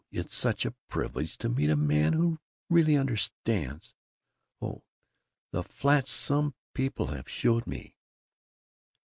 It's such a privilege to meet a man who really Understands. Oh! The flats some people have showed me!"